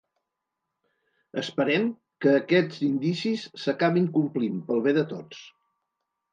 Esperem que aquests indicis s’acabin complint, pel bé de tots.